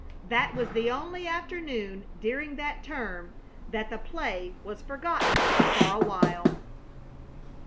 That was the only afternoon during that term that the play was forgotten for a while.